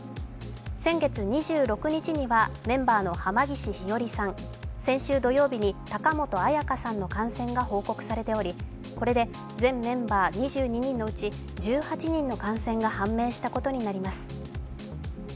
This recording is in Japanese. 先月２６日にはメンバーの濱岸ひよりさん、先週土曜日に高本彩花さんの感染が報告されておりこれで全メンバー２２人のうち１８人の感染が判明したことになります。